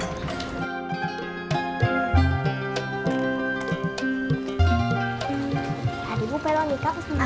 tadi bu peronita pesen apa